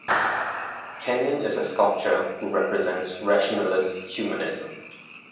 Kenyon is a sculptor who represents rationalist humanism.